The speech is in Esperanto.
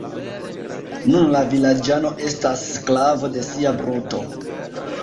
Nun la vilaĝano estas sklavo de sia bruto.